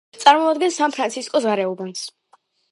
წარმოადგენს სან-ფრანცისკოს გარეუბანს.